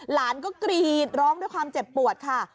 หลานก็กรีดร้องด้วยความเจ็บปวดค่ะ